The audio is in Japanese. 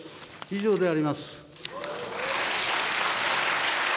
以上であります。